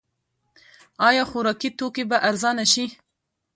آیا خوراکي توکي به ارزانه شي؟